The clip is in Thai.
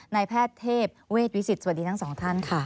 นายแพทย์เทพเวชวิสิตสวัสดีทั้งสองท่านค่ะ